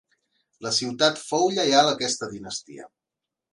La ciutat fou lleial a aquesta dinastia.